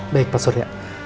baik pak surya